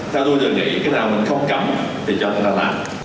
thì cho người ta làm